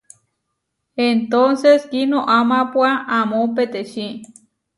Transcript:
Entónces kinoamápua amó peteči.